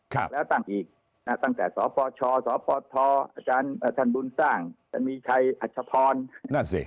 ครับแล้วตั้งอีกนะฮะตั้งแต่ศพชศพทอทบสร้างอมีชัยอทนั่นสิ